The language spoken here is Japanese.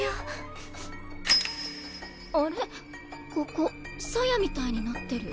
ここ鞘みたいになってる。